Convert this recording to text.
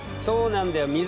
そうなんだよ。